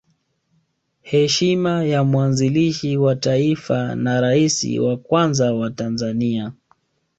Heshima ya mwanzilishi wa Taifa na Rais wa kwanza wa Tanzania